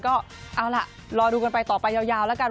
ก็เอาล่ะรอดูกันไปต่อไปยาวแล้วกัน